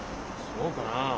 そうかな？